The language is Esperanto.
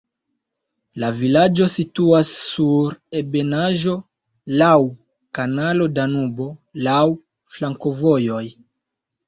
La vilaĝo situas sur ebenaĵo, laŭ kanalo Danubo, laŭ flankovojoj.